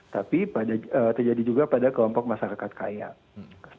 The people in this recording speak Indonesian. tapi terjadi juga pada kelompok masyarakat yang berada di bawah masyarakat miskin